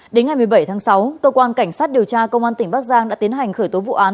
đến ngày một mươi bảy tháng sáu cơ quan cảnh sát điều tra công an tỉnh bắc giang đã tiến hành khởi tố vụ án